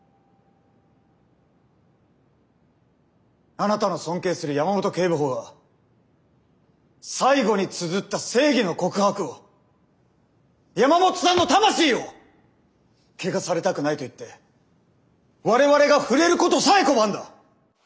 あなたの尊敬する山本警部補が最後につづった正義の告白を山本さんの魂を汚されたくないと言って我々が触れることさえ拒んだ。